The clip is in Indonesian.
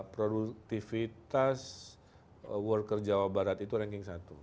produktivitas worker jawa barat itu ranking satu